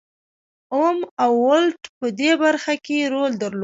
اوم او ولټ په دې برخه کې رول درلود.